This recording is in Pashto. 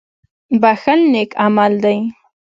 • بښل نېک عمل دی.